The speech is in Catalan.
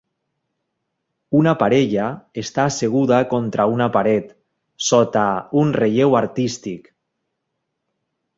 Una parella està asseguda contra una paret, sota un relleu artístic.